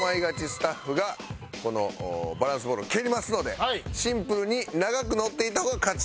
スタッフがこのバランスボールを蹴りますのでシンプルに長く乗っていた方が勝ちというゲームでございます。